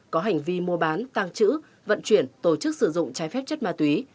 có hành vi mua bán tăng trữ vận chuyển tổ chức sử dụng trái phép chất ma túy